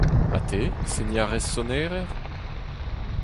Ha te, seniñ a rez sonerezh ?